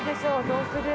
どうする？